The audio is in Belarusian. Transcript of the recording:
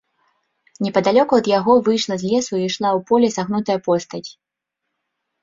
Непадалёку ад яго выйшла з лесу і ішла ў поле сагнутая постаць.